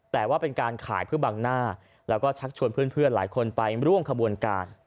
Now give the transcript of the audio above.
แต่ว่าเป็นการขายเพื่อบังหน้าแล้วก็ชักชวนเพื่อนหลายคนไปร่วมขบวนการ